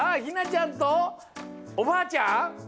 ちゃんとおばあちゃん？